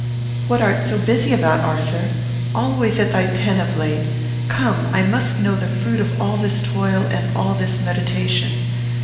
"What art so busy about, Arthur? Always at thy pen of late. Come, I must know the fruit of all this toil and all this meditation.